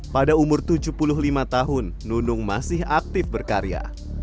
pada umur tujuh puluh lima tahun nunung masih aktif berkarya